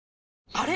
あれ？